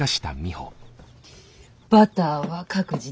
バターは各自でね。